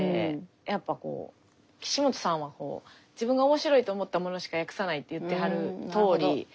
やっぱこう岸本さんは自分が面白いと思ったものしか訳さないって言ってはるとおり。